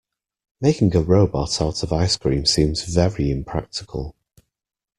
Making a robot out of ice cream seems very impractical.